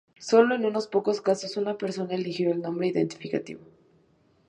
Sólo en unos pocos casos una persona eligió el nombre identificativo.